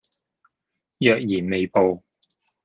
若然未報